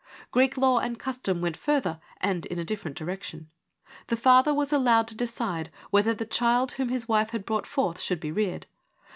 Greek law and custom went further and in a different direction. The father was allowed to decide whether the child whom his wife had brought forth should be reared.